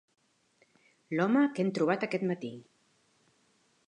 L'home que hem trobat aquest matí.